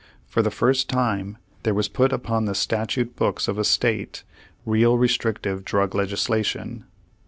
For the first time there was put upon the statute books of a State real restrictive drug legislation.